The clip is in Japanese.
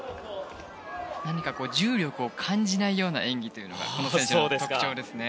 重力を感じないような演技というのがこの選手の特徴ですね。